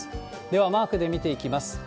では、マークで見ていきます。